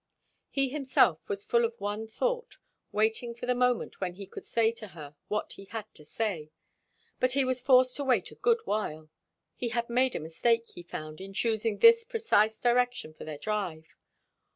He himself was full of one thought, waiting for the moment when he could say to her what he had to say; but he was forced to wait a good while. He had made a mistake, he found, in choosing this precise direction for their drive.